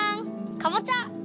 かぼちゃ！